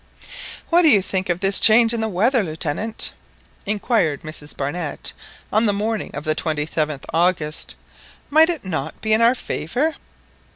"What do you think of this change in the weather, Lieutenant?" inquired Mrs Barnett on the morning of the 27th August; "might it not be in our favour?"